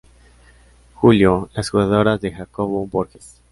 Julio: Las jugadoras, de Jacobo Borges.